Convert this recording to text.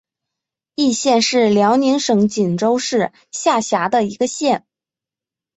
义县是辽宁省锦州市下辖的一个县。